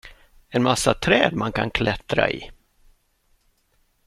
En massa träd man kan klättra i!